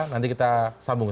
nanti kita sambung